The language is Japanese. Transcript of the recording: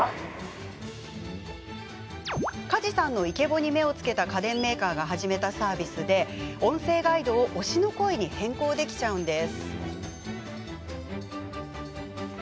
梶さんのイケボに目を付けた家電メーカーが始めたサービスで音声ガイドを推しの声に変更できちゃうんです。